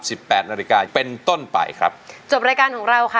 แปดนาฬิกาเป็นต้นไปครับจบรายการของเราค่ะ